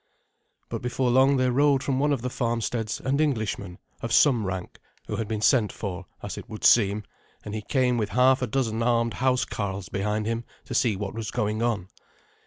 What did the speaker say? But before long there rode from one of the farmsteads an Englishman of some rank, who had been sent for, as it would seem, and he came with half a dozen armed housecarls behind him to see what was going on.